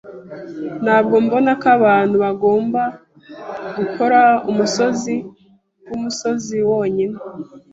Ntabwo mbona ko abantu bagomba gukora umusozi wumusozi wonyine.